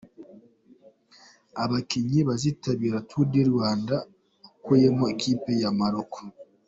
Abakinnyi bazitabira Tour du Rwanda ukuyemo ikipe ya Maroc.